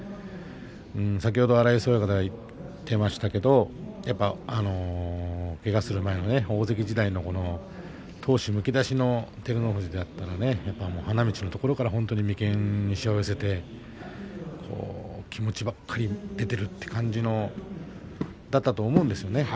先ほど、荒磯親方が言っていましたけどやはりけがする前の大関時代の闘志むき出しの照ノ富士だったらね花道のところから本当に眉間にしわを寄せて気持ちばかり出ているという感じだったと思うんですね。